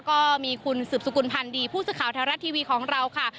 ก็มีคุณศึกษุคุณพันธ์ดีผู้ศึกข่าวเทวรัฐทีวีของเราค่ะ